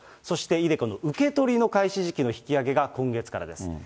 そしてｉＤｅＣｏの受け取りの開始時期の引き上げが今月からです。